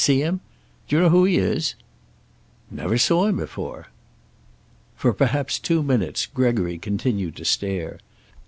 See him? Do you know who he is?" "Never saw him before." For perhaps two minutes Gregory continued to stare.